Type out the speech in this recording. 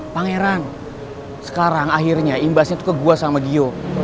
pangeran sekarang akhirnya imbasnya tuh ke gue sama gio